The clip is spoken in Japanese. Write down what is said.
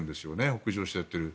北上していっている。